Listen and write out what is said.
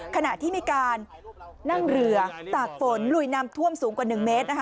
ขณะที่มีการนั่งเรือตากฝนลุยนำท่วมสูงกว่า๑เมตร